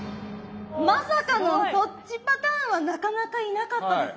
まさかのそっちパターンはなかなかいなかったですね。